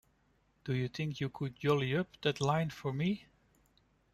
Do you think you could jolly up that line for me?